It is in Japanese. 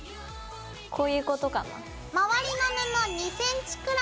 こういうことかな？